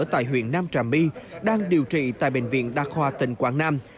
tại huyện nam trà my đang điều trị tại bệnh viện đa khoa tỉnh quảng nam